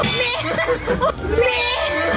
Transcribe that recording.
มีมี